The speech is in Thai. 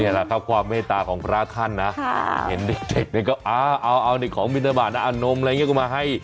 นี่แหละครับความเมตตาของพระอาคันนะเห็นเด็กเนี่ยก็เอานิดของบิณฑบาตนะนมอะไรอย่างนี้ก็มาให้